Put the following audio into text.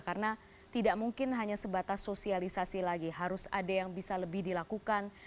karena tidak mungkin hanya sebatas sosialisasi lagi harus ada yang bisa lebih dilakukan